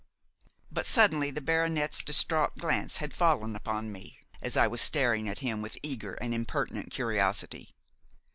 But suddenly the baronet's distraught glance had fallen upon me, as I was staring at him with eager and impertinent curiosity.